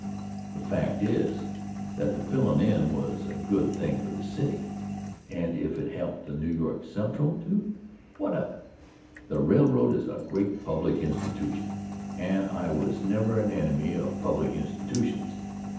The fact is, that the fillin' in was a good thing for the city, and if it helped the New York Central, too, what of it? The railroad is a great public institution, and I was never an enemy of public institutions.